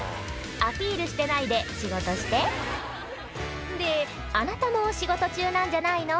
アピールしてないで仕事してであなたも仕事中なんじゃないの？